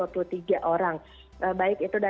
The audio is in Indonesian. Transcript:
jangan lupa hollywood accessing juga